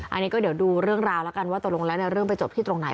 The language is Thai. อันนี้ก็เดี๋ยวดูเรื่องราวแล้วกันว่าตกลงแล้วเรื่องไปจบที่ตรงไหน